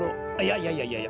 いやいやいやいや。